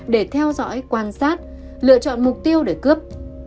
để theo dõi quan sát lựa chọn mục tiêu để cướp